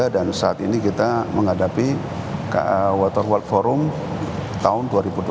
dan saat ini kita menghadapi water world forum tahun dua ribu dua puluh empat